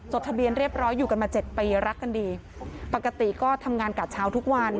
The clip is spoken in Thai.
ทะเบียนเรียบร้อยอยู่กันมาเจ็ดปีรักกันดีปกติก็ทำงานกัดเช้าทุกวัน